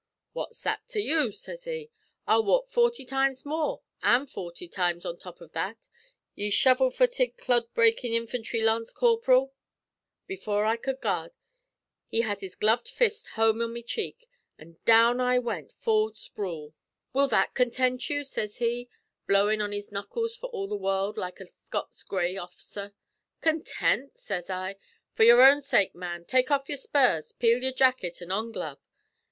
"'What's that to you?' sez he. 'I'll walk forty times more, an' forty on top av that, ye shovel futted, clod breakin' infantry lance corp'ril.' "Before I cud gyard, he had his gloved fist home on me cheek, an' down I went full sprawl. 'Will that content you?' sez he, blowin' on his knuckles for all the world like a Scots Grays orf'cer. 'Content?' sez I. 'For your own sake, man, take off your spurs, peel your jackut, and onglove.